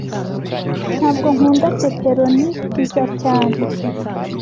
Ntabwo nkunda pepperoni pizza cyane